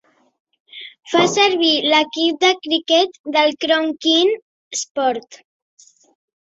Fa servir l'equip de criquet del Crown King Sport.